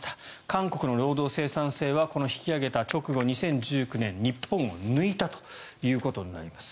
韓国の労働生産性はこの引き上げた直後２０１９年、日本を抜いたということになります。